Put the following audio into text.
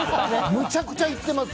むちゃくちゃ行ってます。